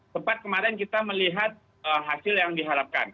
tepat kemarin kita melihat hasil yang diharapkan